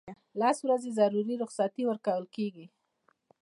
لس ورځې ضروري رخصتۍ ورکول کیږي.